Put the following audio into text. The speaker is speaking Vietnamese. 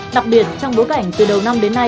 đặc biệt trong bối cảnh từ đầu năm đến nay